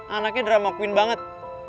anaknya drama queen banget